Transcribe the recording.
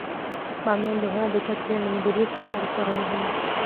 بامیان د هیواد د چاپیریال د مدیریت لپاره خورا مهم دی.